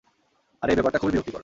আর এ ব্যাপারটা খুবই বিরক্তিকর।